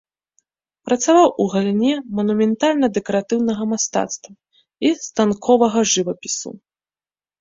Працаваў у галіне манументальна-дэкаратыўнага мастацтва і станковага жывапісу.